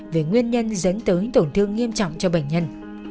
về nguyên nhân dẫn tới tổn thương nghiêm trọng cho bệnh nhân